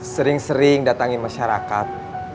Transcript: sering sering datangin masyarakat